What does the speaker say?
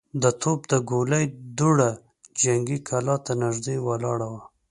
د توپ د ګولۍ دوړه جنګي کلا ته نږدې ولاړه وه.